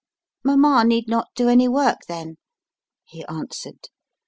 Mama need not do any work then, he answered.